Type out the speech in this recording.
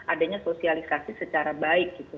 adanya sosialisasi secara baik